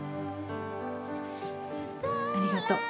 ありがとう。